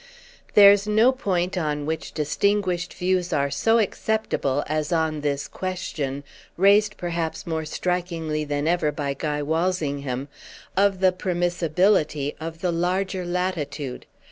"There's no point on which distinguished views are so acceptable as on this question—raised perhaps more strikingly than ever by Guy Walsingham—of the permissibility of the larger latitude.